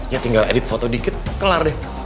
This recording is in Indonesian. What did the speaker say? ya tinggal edit foto dikit kelar deh